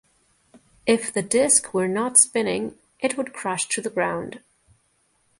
If the disc were not spinning, it would crash to the ground.